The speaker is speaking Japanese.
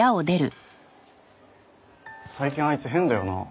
最近あいつ変だよな？